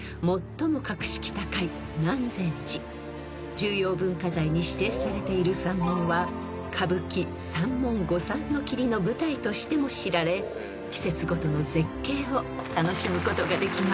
［重要文化財に指定されている三門は歌舞伎『楼門五三桐』の舞台としても知られ季節ごとの絶景を楽しむことができます］